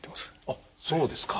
あっそうですか。